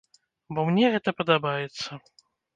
Бо мне гэта падабаецца.